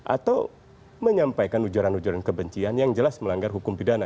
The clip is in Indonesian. atau menyampaikan ujaran ujaran kebencian yang jelas melanggar hukum pidana